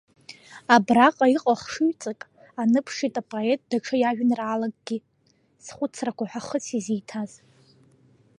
Абраҟа иҟоу ахшыҩҵак аныԥшит апоет даҽа иажәеинраалакгьы, Схәыцрақәа ҳәа, хыс изиҭаз.